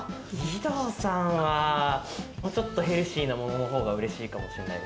義堂さんはもうちょっとヘルシーなもののほうが嬉しいかもしれない。